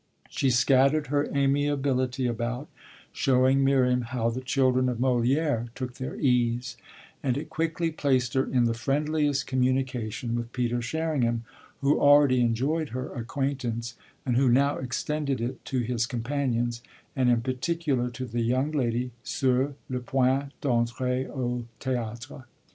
She scattered her amiability about showing Miriam how the children of Molière took their ease and it quickly placed her in the friendliest communication with Peter Sherringham, who already enjoyed her acquaintance and who now extended it to his companions, and in particular to the young lady _sur le point d'entrer au théâtre.